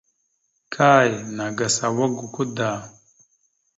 Kay nàgas awak gakwa da.